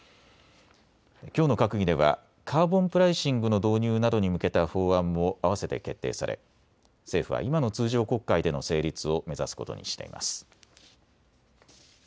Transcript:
きょうの閣議ではカーボンプライシングの導入などに向けた法案もあわせて決定され政府は今の通常国会での成立を目指すことにしています。